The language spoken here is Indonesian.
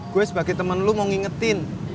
gue sebagai temen lu mau ngingetin